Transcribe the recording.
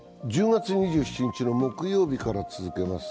１０月２７日の木曜日から続けます。